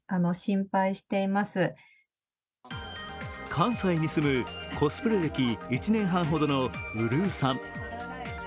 関西に住むコスプレ歴１年半ほどの、うるうさん。